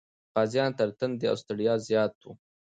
غازيان تر تندې او ستړیا زیات و.